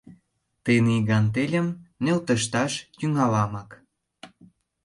Тений гантельым нӧлтышташ тӱҥаламак».